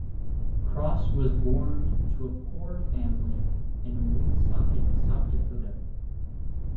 Cross was born to a poor family in Woonsocket, South Dakota.